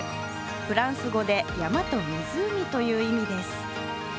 フランス語で山と湖という意味です。